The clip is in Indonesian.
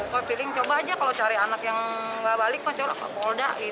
paling coba aja kalau cari anak yang nggak balik coba